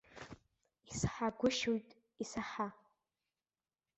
Исаҳагәышьоит, исаҳа!